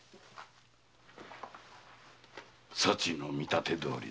そちの見立てどおりだ。